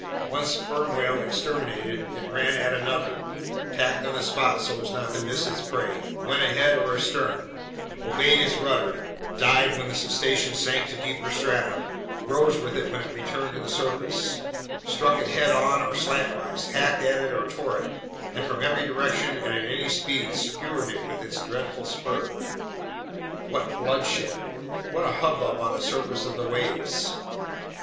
One sperm whale exterminated, it ran at another, tacked on the spot so as not to miss its prey, went ahead or astern, obeyed its rudder, dived when the cetacean sank to deeper strata, rose with it when it returned to the surface, struck it head on or slantwise, hacked at it or tore it, and from every direction and at any speed, skewered it with its dreadful spur. What bloodshed! What a hubbub on the surface of the waves!